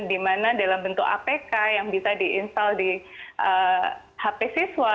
di mana dalam bentuk apk yang bisa di install di hp siswa